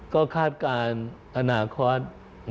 ก็คาดการณ์อนาคต